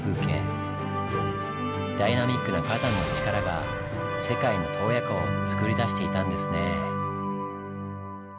ダイナミックな火山の力が「世界の洞爺湖」をつくり出していたんですねぇ。